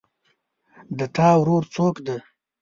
د تا ورور څوک ده